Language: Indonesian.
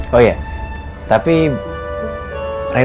saya juga senang datang kemarin